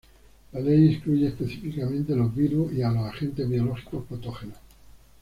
La ley excluye específicamente los virus y a los agentes biológicos patógenos.